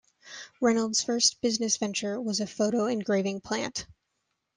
Reynolds' first business venture was a photo engraving plant.